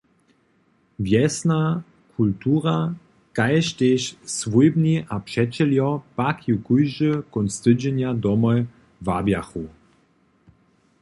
Wjesna kultura kaž tež swójbni a přećeljo pak ju kóždy kónc tydźenja domoj wabjachu.